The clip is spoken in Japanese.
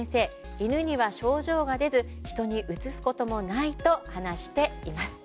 犬には症状が出ず人にうつすこともないと話しています。